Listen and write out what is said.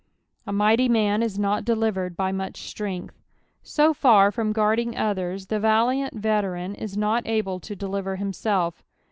"A mighty man u net delivered bymueh itrength." So far from guarding others, the valiant veteran is not sble to deliver himself.